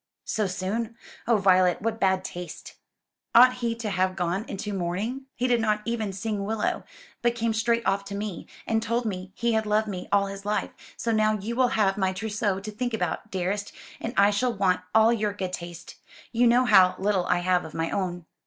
"So soon! Oh, Violet, what bad taste!" "Ought he to have gone into mourning? He did not even sing willow, but came straight off to me, and told me he had loved me all his life; so now you will have my trousseau to think about, dearest, and I shall want all your good taste. You know how little I have of my own."